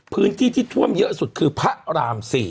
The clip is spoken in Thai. พื้นที่ที่ท่วมเยอะสุดคือพระราม๔